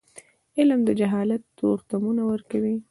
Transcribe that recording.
علم د جهالت تورتمونه ورکوي.